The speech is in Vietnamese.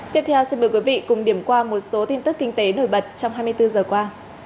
tiếp theo xin mời quý vị cùng điểm qua một số tin tức kinh tế nổi bật trong hai mươi bốn giờ qua